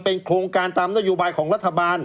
เป็นโครงการตามนโยบายของรัฐบาล